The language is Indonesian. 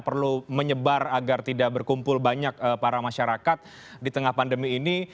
perlu menyebar agar tidak berkumpul banyak para masyarakat di tengah pandemi ini